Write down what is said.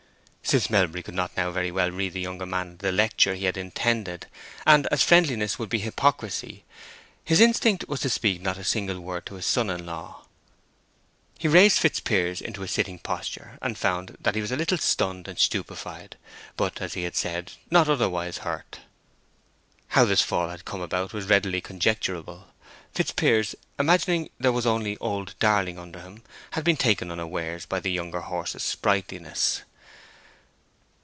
Since Melbury could not now very well read the younger man the lecture he had intended, and as friendliness would be hypocrisy, his instinct was to speak not a single word to his son in law. He raised Fitzpiers into a sitting posture, and found that he was a little stunned and stupefied, but, as he had said, not otherwise hurt. How this fall had come about was readily conjecturable: Fitzpiers, imagining there was only old Darling under him, had been taken unawares by the younger horse's sprightliness.